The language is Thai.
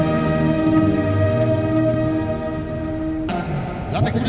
สวัสดีครับทุกคน